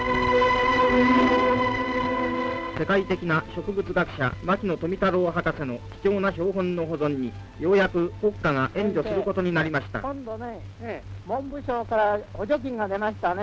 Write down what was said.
世界的な植物学者牧野富太郎博士の貴重な標本の保存にようやく国家が援助することになりました今度ね文部省から補助金が出ましたね。